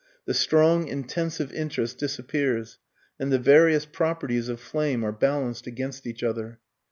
The strong, intensive interest disappears and the various properties of flame are balanced against each other.